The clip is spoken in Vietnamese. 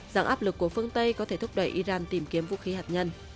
rằng áp lực của phương tây có thể thúc đẩy iran tìm kiếm vũ khí hạt nhân